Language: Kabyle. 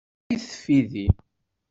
Lqayet tfidi.